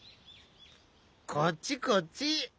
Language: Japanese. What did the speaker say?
こっちこっち！